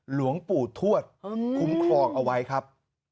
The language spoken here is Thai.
หลวงปู่ทวดคุ้มครองเอาไว้ครับ